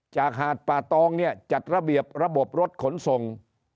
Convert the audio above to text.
จากหาดปาตองจัดระเบียบระบบรถขนส่ง